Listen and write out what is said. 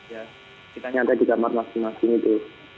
ya kita nyata di kamar masing masing itu